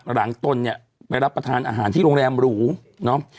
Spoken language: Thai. ตนเนี่ยไปรับประทานอาหารที่โรงแรมหรูเนาะ